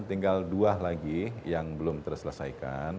tinggal dua lagi yang belum terselesaikan